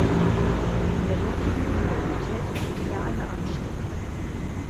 An der dortigen Universität erhielt er eine Anstellung.